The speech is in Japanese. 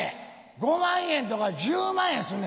５万円とか１０万円すんね